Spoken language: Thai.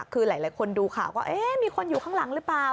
คือหลายคนดูข่าวก็มีคนอยู่ข้างหลังหรือเปล่า